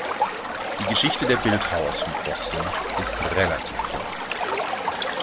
Die Geschichte der Bildhauersymposien ist relativ jung.